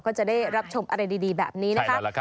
ก็จะได้รับชมอะไรดีแบบนี้นะคะ